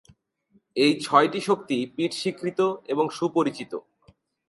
এই ছয়টি শক্তি পিঠ স্বীকৃত এবং সুপরিচিত।